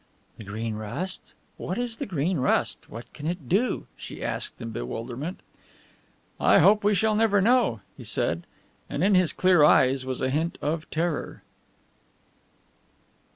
"The Green Rust? What is the Green Rust what can it do?" she asked in bewilderment. "I hope we shall never know," he said, and in his clear eyes was a hint of terror.